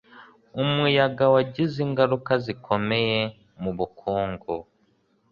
Umuyaga wagize ingaruka zikomeye mubukungu.